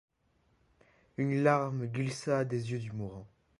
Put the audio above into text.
Une larme glissa des yeux du mourant.